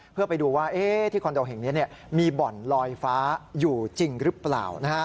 เพื่อไปดูว่าที่คอนโดแห่งนี้มีบ่อนลอยฟ้าอยู่จริงหรือเปล่า